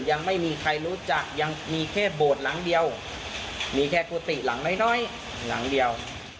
ยังไม่มีใครรู้จักยังมีแค่โบสถ์หลังเดียวมีแค่กุฏิหลังน้อยหลังเดียว